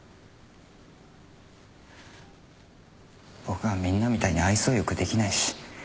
僕はみんなみたいに愛想よくできないし。